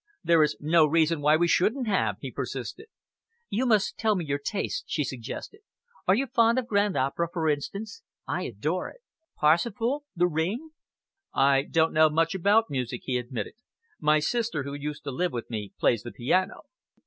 "There is no reason why we shouldn't have," he persisted. "You must tell me your tastes," she suggested. "Are you fond of grand opera, for instance? I adore it. 'Parsifal' 'The Ring'?" "I don't know much about music," he admitted. "My sister, who used to live with me, plays the piano."